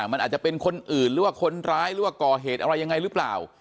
มันอาจจะเป็นคนอื่นหรือว่าคนร้ายหรือว่าก่อเหตุอะไรยังไงหรือเปล่า